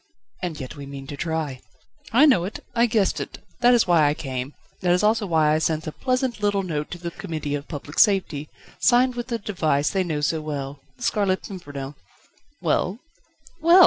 "And yet we mean to try." "I know it. I guessed it, that is why I came: that is also why I sent a pleasant little note to the Committee of Public Safety, signed with the device they know so well: The Scarlet Pimpernel." "Well?" "Well!